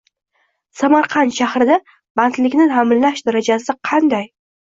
Samarqand shahrida bandlikni ta’minlash darajasi qanday?